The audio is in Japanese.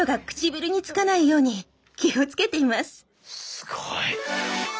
すごい。